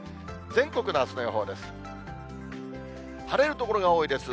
全国のあすの予報です。